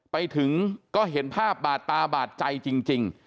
ไปถึงก็เห็นภาพบาดตาบาดใจจริง